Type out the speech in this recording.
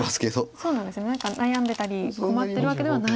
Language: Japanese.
そうなんですね何か悩んでたり困ってるわけではない。